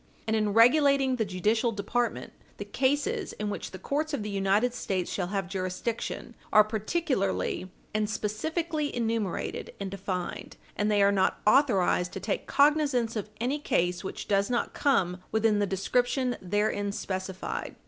And in regulating the judicial department, the cases in which the courts of the United States shall have jurisdiction are particularly and specifically enumerated and defined, and they are not authorized to take cognizance of any case which does not come within the description therein specified.